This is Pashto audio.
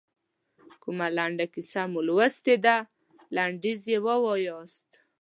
کومه لنډه کیسه مو لوستلې ده لنډیز یې ووایاست.